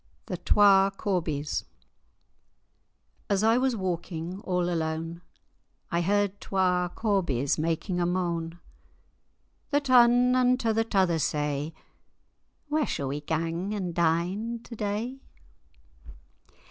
THE TWA CORBIES As I was walking all alane, I heard twa corbies making a mane;[#] The tane unto the t'other say, "Where sall we gang and dine to day?"